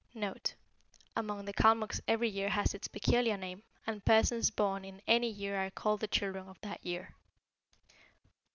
Among the Calmucs every year has its peculiar name, and persons born in any year are called the children of that year.